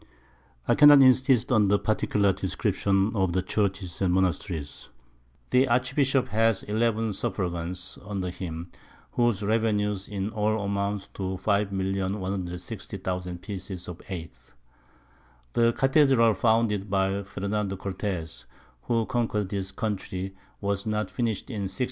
_ I cannot insist on the particular Description of the Churches and Monasteries. The Archbishop has 11 Suffragans under him, whose Revenues in all amount to 5160000 Pieces of Eight. The Cathedral founded by Fernando Cortez, who conquer'd this Country, was not finished in 1697.